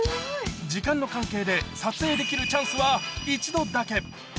時間の関係で、撮影できるチャンスは１度だけ。